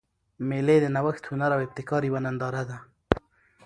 مېلې د نوښت، هنر او ابتکار یوه ننداره ده.